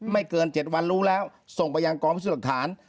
ไม่เกิน๗วันรู้แล้วส่งไปยังกองพิสูจน์หลักฐาน